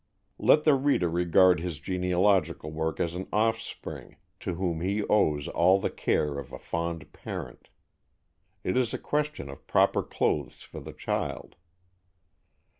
Let the reader regard his genealogical work as an offspring to whom he owes all the care of a fond parent. It is a question of proper clothes for the child.